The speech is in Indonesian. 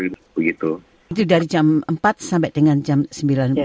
itu dari jam empat sampai dengan jam sembilan belas